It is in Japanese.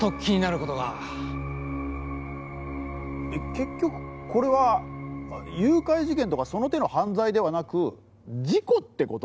「結局これは誘拐事件とかその手の犯罪ではなく事故って事なんですか？」